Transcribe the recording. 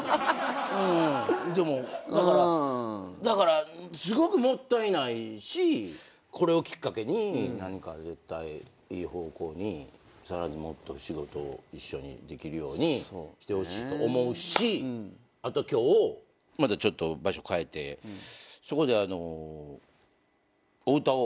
だからすごくもったいないしこれをきっかけに何か絶対いい方向にさらにもっと仕事を一緒にできるようにしてほしいと思うしあと今日またちょっと場所変えてそこでお歌を。